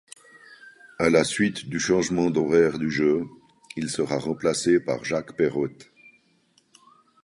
À la suite du changement d'horaire du jeu, il sera remplacé par Jacques Perrotte.